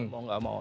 mau nggak mau